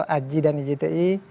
aji dan ijti